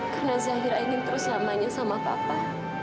karena zahira ingin terus amanya sama papa